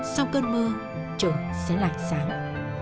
sau cơn mưa trời sẽ lại sáng